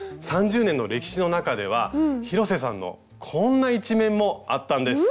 ３０年の歴史の中では広瀬さんのこんな一面もあったんです。